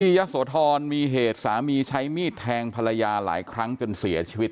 ยะโสธรมีเหตุสามีใช้มีดแทงภรรยาหลายครั้งจนเสียชีวิต